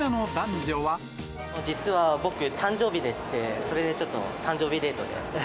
実は僕、誕生日でして、それでちょっと、誕生日デートで。